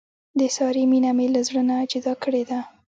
د سارې مینه مې له زړه نه جدا کړې ده.